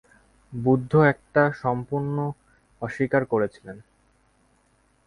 বুদ্ধ এটা সম্পূর্ণ অস্বীকার করেছিলেন।